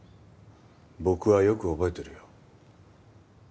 僕はよく覚えてるよ。